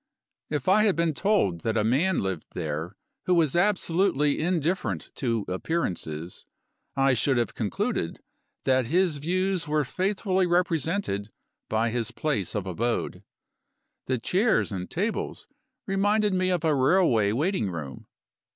If I had been told that a man lived there who was absolutely indifferent to appearances, I should have concluded that his views were faithfully represented by his place of abode. The chairs and tables reminded me of a railway waiting room.